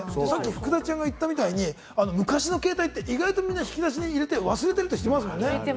福田ちゃんが言ったみたいに昔の携帯って引き出しに入れて忘れてる人、結構いますよね？